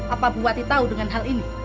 apa bu wati tahu dengan hal ini